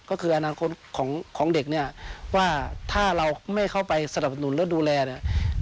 ก็คืออนาคตของเด็กเนี่ยว่าถ้าเราไม่เข้าไปสนับสนุนและดูแลเนี่ย